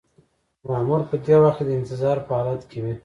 مامور په دې وخت کې د انتظار په حالت کې وي.